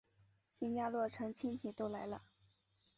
新家落成亲戚都来了